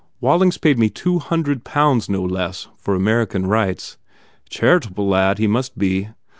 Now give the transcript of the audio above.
Waiting s paid me two hundred pounds, no less, for Ameri can rights. Charitable lad he must be!